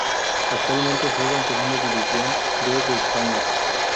Actualmente juega en Segunda División B de España.